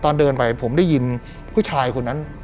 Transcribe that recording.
ตอนเดินไปผมได้ยินผู้ชายคนนั้น